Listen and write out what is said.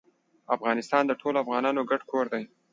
افغانستان د ټولو افغانانو ګډ کور دی.